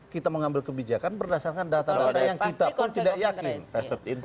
kita mengambil kebijakan berdasarkan data data yang kita pun tidak yakin